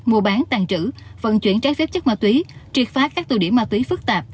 mua bán tàn trữ vận chuyển trái phép chất ma túy triệt phá các tù điểm ma túy phức tạp